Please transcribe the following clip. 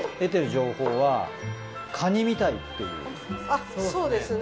あっそうですね。